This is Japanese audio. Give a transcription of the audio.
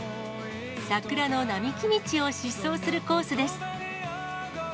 桜の並木道を疾走するコースです。